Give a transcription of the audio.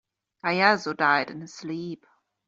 Caiazzo died in his sleep.